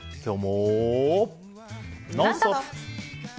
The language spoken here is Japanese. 「ノンストップ！」。